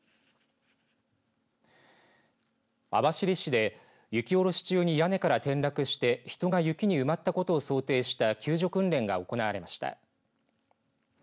網走市で雪下ろし中に屋根から転落して人が雪に埋まったことを想定した救助訓練が行われました。